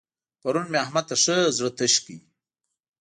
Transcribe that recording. پرون مې احمد ته ښه زړه تش کړ.